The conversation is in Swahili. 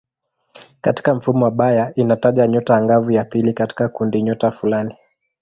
Katika mfumo wa Bayer inataja nyota angavu ya pili katika kundinyota fulani.